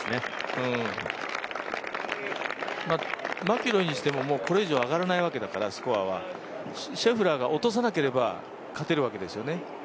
マキロイにしてもこれ以上スコアは上がらないわけですから、シェフラーが落とさなければ勝てるわけですよね。